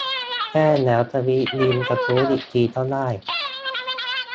แจ้งแล้วทวีตลิงก์กระทู้อีกทีก็ได้